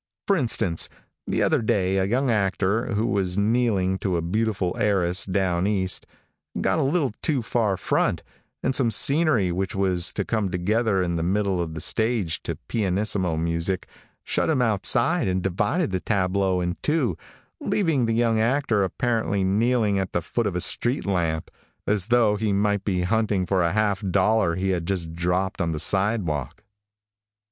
For instance, the other day, a young actor, who was kneeling to a beautiful heiress down east, got a little too far front, and some scenery, which was to come together in the middle of the stage to pianissimo music, shut him outside and divided the tableau in two, leaving the young actor apparently kneeling at the foot of a street lamp, as though he might be hunting for a half a dollar that he had just dropped on the sidewalk.